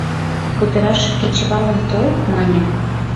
«Кутыраш кечывалым тол, — маньым.